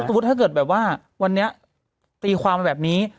สมมุติถ้าเกิดว่าวันนี้ตีความแบบนี้